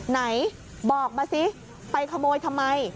ไหนบอกมาสิไปขโมยทำไม